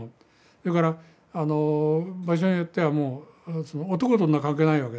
それから場所によってはもう男と女関係ないわけですね。